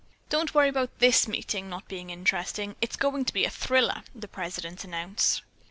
"Don't worry about this meeting not being interesting. It's going to be a thriller," the president announced.